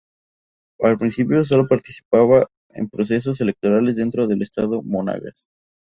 Al principio, sólo participaba en procesos electorales dentro del estado Monagas.